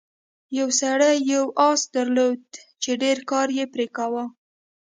یو سړي یو اس درلود چې ډیر کار یې پرې کاوه.